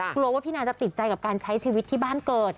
กลัวว่าพี่นาจะติดใจกับการใช้ชีวิตที่บ้านเกิด